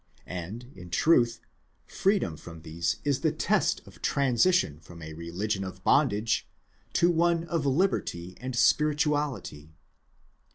And, in truth, freedom from these is the test of tran sition from a religion of bondage, to one of liberty and spirituality.